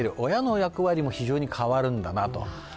親の役割も非常に変わるんだなと。